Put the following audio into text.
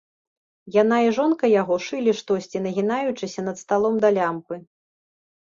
Яна і жонка яго шылі штосьці, нагінаючыся над сталом да лямпы.